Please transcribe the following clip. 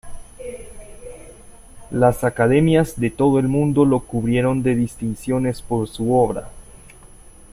Las academias de todo el mundo lo cubrieron de distinciones por su obra.